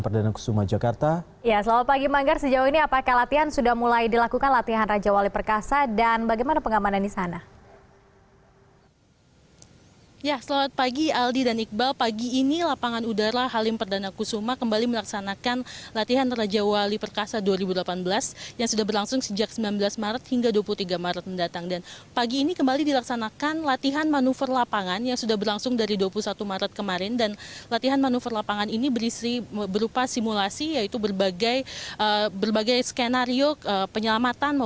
penerbangan enam pesawat hercules untuk menilai lokasi bencana alam yang terjadi di sumatera selatan